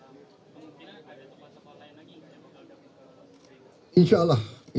mungkin ada tempat tempat lain lagi yang bisa diberikan